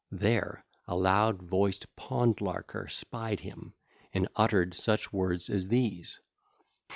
There a loud voiced pond larker spied him: and uttered such words as these.